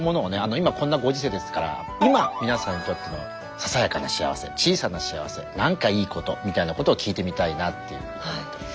今こんなご時世ですから今みなさんにとってのささやかな幸せ小さな幸せなんかいいことみたいなことを聞いてみたいなっていうふうに思ってます。